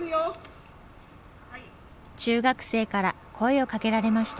中学生から声をかけられました。